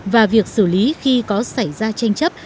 và việc xử lý khi có xảy ra tranh chấp